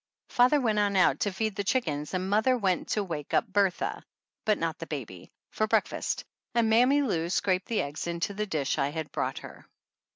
Father went on out to feed the chickens and mother went to wake up Bertha (but not the baby) for breakfast, and Mammy Lou scraped the eggs into the dish I had brought her.